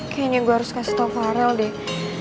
kayaknya gue harus kasih tau farel deh